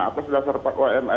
nah atas dasar utusan ma